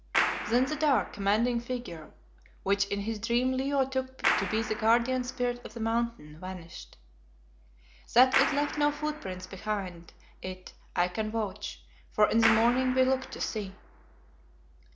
Then the dark, commanding figure, which in his dream Leo took to be the guardian Spirit of the Mountain, vanished. That it left no footprints behind it I can vouch, for in the morning we looked to see.